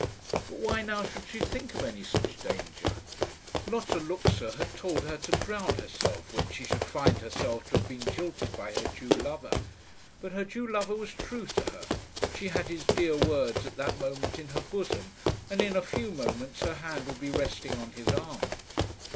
But why now should she think of any such danger? Lotta Luxa had told her to drown herself when she should find herself to have been jilted by her Jew lover; but her Jew lover was true to her; she had his dear words at that moment in her bosom, and in a few moments her hand would be resting on his arm.